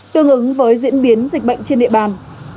tương ứng với diễn biến dịch bệnh trên địa bàn